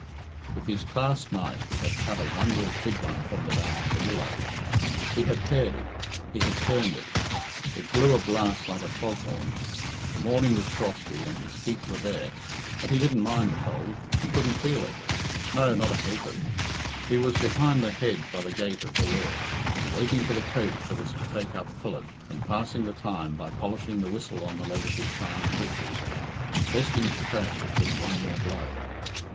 With his clasp knife he had cut a wondrous big one from the bough of a willow; he had pared it; he had turned it; it blew a blast like a fog horn. The morning was frosty, and his feet were bare, but he didn't mind the cold; he didn't feel it no, not a ha'p'orth. He was behind the hedge by the gate at Ballure, waiting for the coach that was to take up Philip, and passing the time by polishing the whistle on the leg of his shining breeches, and testing its tone with just one more blow.